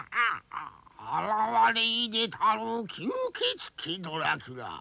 あらわれいでたる吸血鬼ドラキュラ。